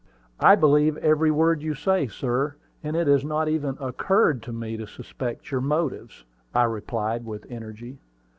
"I believe every word you say, sir: and it has not even occurred to me to suspect your motives," I replied with energy.